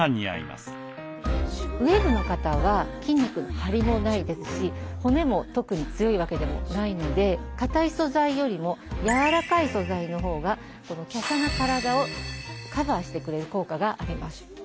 ウエーブの方は筋肉のハリもないですし骨も特に強いわけではないので硬い素材よりも柔らかい素材のほうが華奢な体をカバーしてくれる効果があります。